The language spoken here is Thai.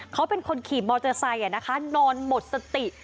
เขาเป็นคนขี่มอเตอร์ไซค์นอนหมดสติ